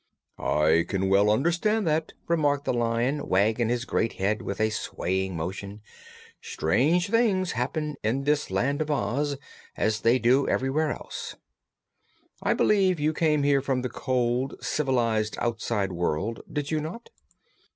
"I can well understand that," remarked the Lion, wagging his great head with a swaying motion. "Strange things happen in this Land of Oz, as they do everywhere else. I believe you came here from the cold, civilized, outside world, did you not?"